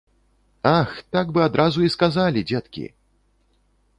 Ах, так бы адразу і сказалі, дзеткі!